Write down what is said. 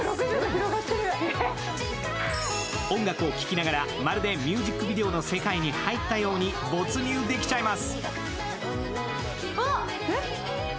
音楽を聴きながらまるでミュージックビデオの世界に入ったように没入できちゃいます。